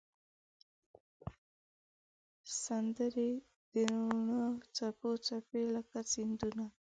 سندرې د روڼا څپې، څپې لکه سیندونه